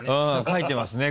書いてますね